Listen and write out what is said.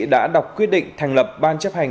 đã đọc quyết định thành lập ban chấp hành